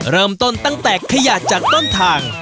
เริ่มต้นตั้งแต่ขยะจากต้นทาง